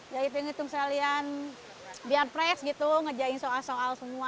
jadi penghitung sekalian biar fresh gitu ngejahin soal soal semua